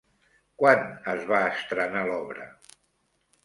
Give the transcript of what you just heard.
Quan es va estrenar l'obra?